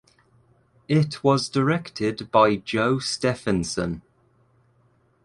It was directed by Joe Stephenson.